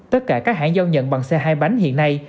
tất cả các hãng giao nhận bằng xe hai bánh hiện nay